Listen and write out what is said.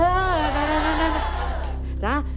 สีเขียวค่ะ